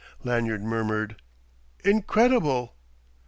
Lanyard murmured: "Incredible!"